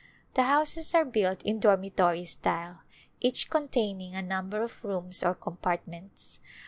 The houses are built in dormitory style, each con taining a number of rooms or compartments.